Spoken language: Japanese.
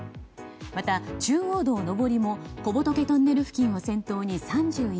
また、中央道上りも小仏トンネル付近を先頭に３１ｋｍ。